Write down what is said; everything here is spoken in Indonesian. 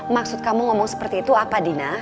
maksud kamu ngomong seperti itu apa dina